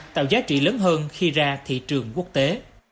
tạo giá trị lớn hơn khi ra thị trường quốc tế